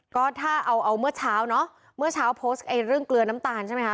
ก็ถ้าเอาเอาเมื่อเช้าเนอะเมื่อเช้าโพสต์เรื่องเกลือน้ำตาลใช่ไหมคะ